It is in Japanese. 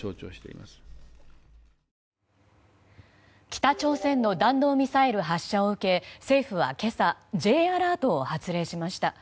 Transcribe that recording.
北朝鮮の弾道ミサイル発射を受け政府は今朝Ｊアラートを発令しました。